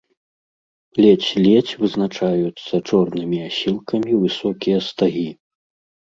Ледзь-ледзь вызначаюцца чорнымі асілкамі высокія стагі.